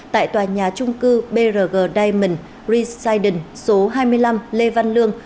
tại tòa nhà trung công